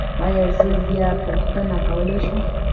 ایا زه بیا پوښتنه کولی شم؟